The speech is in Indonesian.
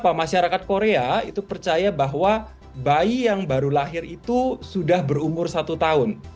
bahwa masyarakat korea itu percaya bahwa bayi yang baru lahir itu sudah berumur satu tahun